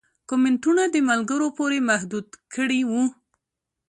کمنټونه د ملګرو پورې محدود کړي وو